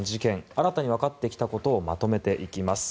新たにわかってきたことをまとめていきます。